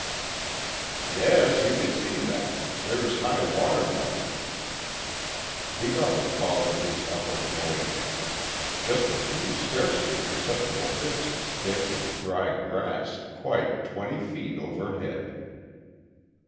"Yes. You can see that. There's high watermark." The other followed his upward glance. Just a few scarcely perceptible bits of stick and dry grass quite twenty feet overhead.